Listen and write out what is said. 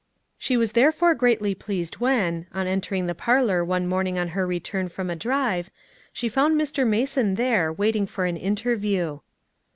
She was therefore greatly pleased when, on entering the parlor one morning on her return from a drive, she found Mr. Mason there waiting for an interview.